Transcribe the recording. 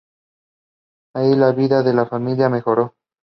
Ahí la vida de la familia mejoró.